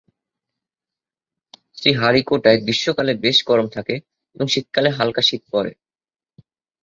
শ্রীহারিকোটায় গ্রীষ্মকালে বেশ গরম থাকে এবং শীতকালে হালকা শীত পড়ে।